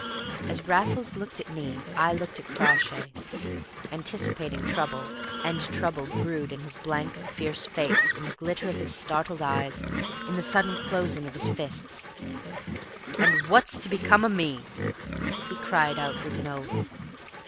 As Raffles looked at me, I looked at Crawshay, anticipating trouble; and trouble brewed in his blank, fierce face, in the glitter of his startled eyes, in the sudden closing of his fists. "And what's to become o' me?" he cried out with an oath.